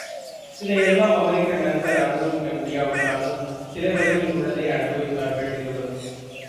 இதை எல்லாம் அமெரிக்க நண்பர் அனுபவிக்க முடியாவிட்டாலும், சிலை வடிவில் உள்ளதை அனுபவித்தார்கள் இருவரும்.